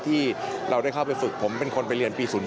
ที่เราได้เข้าไปฝึกผมเป็นคนไปเรียนปี๐๔